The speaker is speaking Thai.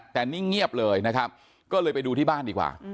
แต่นิ่งเงียบเลยนะครับก็เลยไปดูที่บ้านดีกว่า